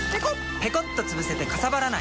ペコッとつぶせてかさばらない！